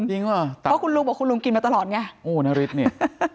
เพราะคุณลุงบอกคุณลุงกินมาตลอดไงโอ้นาริสนี่